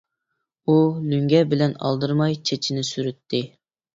ئۇ لۆڭگە بىلەن ئالدىرىماي چېچىنى سۈرتتى.